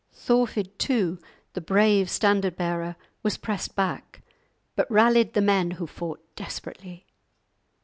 Thorfid, too, the brave standard bearer, was pressed back, but rallied the men, who fought desperately.